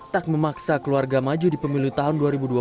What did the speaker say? tak memaksa keluarga maju di pemilu tahun dua ribu dua puluh